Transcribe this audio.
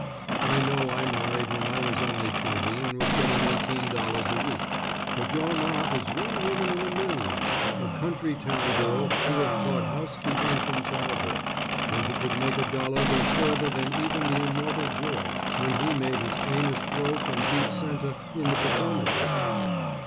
I know I married when I was only twenty and was getting $18.00 a week, but your Ma is one woman in a million, a country town girl who was taught housekeeping from childhood, and who could make a dollar go further than even the immortal George, when he made his famous throw from deep center in the Potomac League.